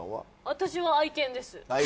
私は愛犬です。